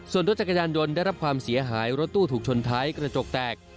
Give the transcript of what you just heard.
ส่วนรถจักรยานยนต์ได้รับความเสียหายรถตู้ถูกชนท้ายกระจกแตก